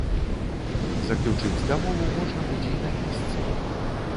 Заключыць дамову можна будзе і на месцы.